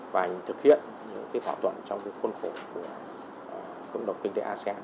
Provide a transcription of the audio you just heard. và thực hiện những cái phỏa thuận trong cái khuôn khổ của cộng đồng kinh tế asean